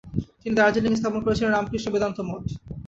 তিনি দার্জিলিঙে স্থাপন করেছিলেন "রামকৃষ্ণ বেদান্ত মঠ"।